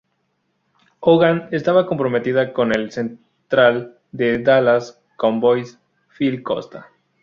Hogan estaba comprometida con el central del Dallas Cowboys, Phil Costa.